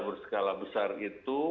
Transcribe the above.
berskala besar itu